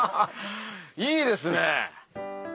いいですね。